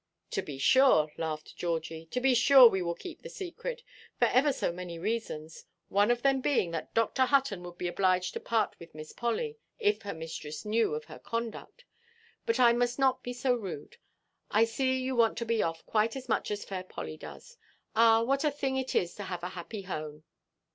"To be sure," laughed Georgie, "to be sure we will keep the secret, for ever so many reasons; one of them being that Dr. Hutton would be obliged to part with Miss Polly, if her mistress knew of her conduct. But I must not be so rude. I see you want to be off quite as much as fair Polly does. Ah, what a thing it is to have a happy home!"